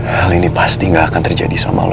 hal ini pasti gak akan terjadi sama allah